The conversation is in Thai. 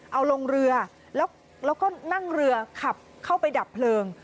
เอาลงเรือแล้วก็นั่งเรือขับเข้าไปดับเพลิง